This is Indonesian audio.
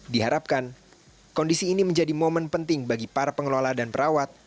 diharapkan kondisi ini menjadi momen penting bagi para pengelola dan perawat